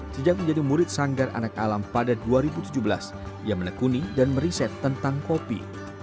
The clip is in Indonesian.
sejak menjadi murid sanggar anak alam pada dua ribu tujuh belas ia menekuni dan meriset tentang kopi